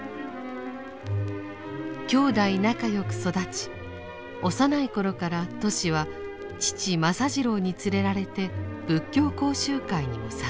兄妹仲良く育ち幼い頃からトシは父政次郎に連れられて仏教講習会にも参加。